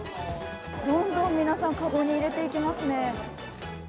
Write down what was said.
どんどん皆さん、かごに入れていきますね。